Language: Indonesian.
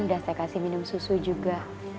udah saya kasih minum susu juga